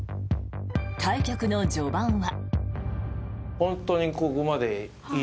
対局の序盤は。